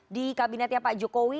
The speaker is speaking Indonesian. di kabinetnya pak jokowi